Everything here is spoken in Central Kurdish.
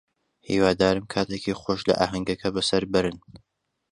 هیوادارم کاتێکی خۆش لە ئاهەنگەکە بەسەر بەرن.